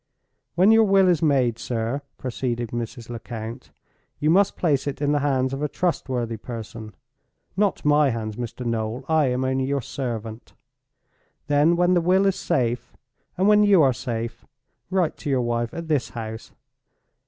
"When your will is made, sir," proceeded Mrs. Lecount, "you must place it in the hands of a trustworthy person—not my hands, Mr. Noel; I am only your servant! Then, when the will is safe, and when you are safe, write to your wife at this house.